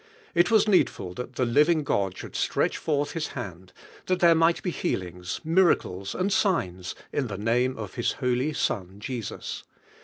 It was needful ilml the Jiving God should stretch forth His hand, that there might be healings, miracles and signs in the name of His holy Son Jesus.